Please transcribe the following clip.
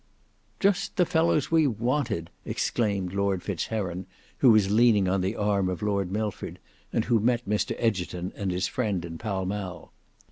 '" "Just the fellows we wanted!" exclaimed Lord Fitz Heron, who was leaning on the arm of Lord Milford, and who met Mr Egerton and his friend in Pall Mall.